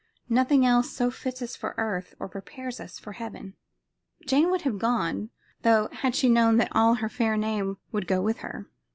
Nothing else so fits us for earth or prepares us for heaven. Jane would have gone, though, had she known that all her fair name would go with her.